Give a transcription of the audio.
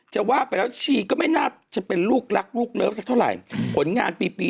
จะว่าไปแล้วชีกก็ไม่น่าจะเป็นลูกรักลูกเลิฟสักเท่าไร